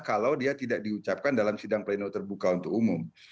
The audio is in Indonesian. kalau dia tidak diucapkan dalam sidang pleno terbuka untuk umum